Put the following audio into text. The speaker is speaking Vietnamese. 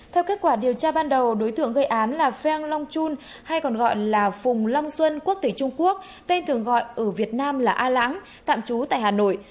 theo kết quả điều tra ban đầu đối tượng gây án là feng long chun hay còn gọi là phùng long xuân quốc tịch trung quốc tên thường gọi ở việt nam là a lãng tạm trú tại hà nội